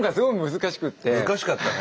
難しかったね。